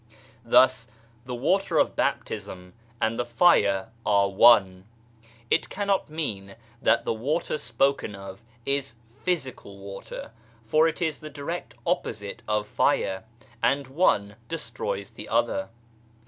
2 Thus the water of Baptism and the fire are one ! It cannot mean that the " water " spoken of is physical water, for it is the direct opposite of " fire/ 1 and one destroys the other.